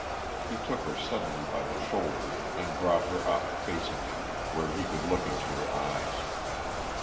He took her suddenly by the shoulder and brought her up, facing him, where he could look into her eyes.